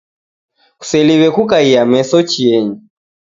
Kuseliwe kukaiya meso chienyi